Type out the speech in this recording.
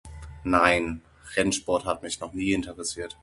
Nein, Rennsport hat mich noch nie interessiert.